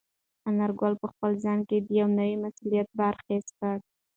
انارګل په خپل ځان کې د یو نوي مسولیت بار حس کړ.